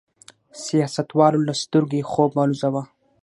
سیاستوالو له سترګو یې خوب والوځاوه.